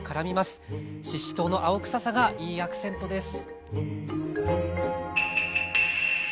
ししとうの青臭さがいいアクセントです。